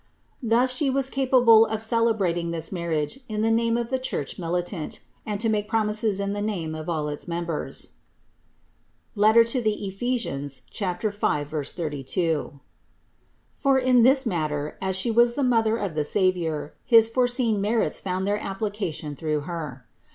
Thus She was capable of celebrat ing this marriage in the name of the Church militant and to make promises in the name of all its members 132 CITY OF GOD (Eph. 5, 32) ; for in this matter, as She was the Mother of the Savior, his foreseen merits found their applica tion through Her.